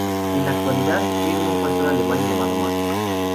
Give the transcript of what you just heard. En la actualidad, tiene un pastor alemán llamado "Max.